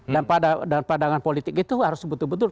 dan pandangan politik itu harus betul betul